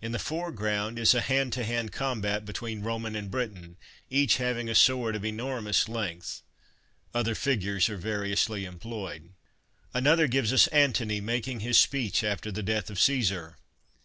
In the foreground, is a hand to hand combat between Roman and Briton, each having a sword of enormous length. Other figures are variously employed. Another, gives us Antony ' making his speech after the death of Caesar.'